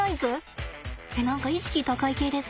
えっ何か意識高い系ですね。